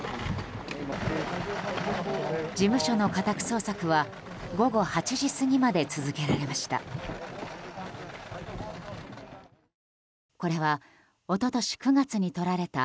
事務所の家宅捜索は午後８時過ぎまで続けられました。